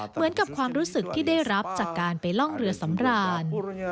เหมือนกับความรู้สึกที่ได้รับจากการไปล่องเรือสำราญ